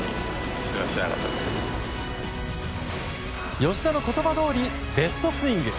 吉田の言葉どおりベストスイング！